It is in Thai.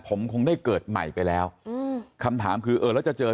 ผมคงได้เกิดใหม่ไปแล้วอืมคำถามคือเออแล้วจะเจอ